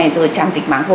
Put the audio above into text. rồi tràng dịch máng hồ